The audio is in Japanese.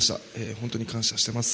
本当に感謝してます。